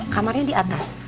kamarnya di atas